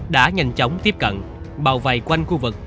đã nhanh chóng tiếp cận bảo vầy quanh khu vực